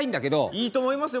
いいと思いますよ